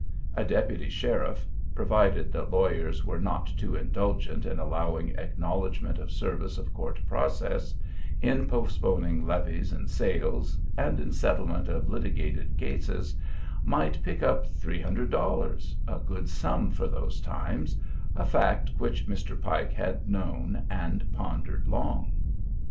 A deputy sheriff, provided that lawyers were not too indulgent in allowing acknowledgment of service of court processes, in postponing levies and sales, and in settlement of litigated cases, might pick up three hundred dollars, a good sum for those times, a fact which Mr. Pike had known and pondered long.